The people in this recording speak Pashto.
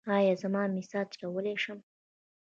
ایا زه مساج کولی شم؟